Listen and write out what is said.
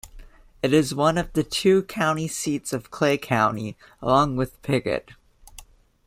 It is one of the two county seats of Clay County, along with Piggott.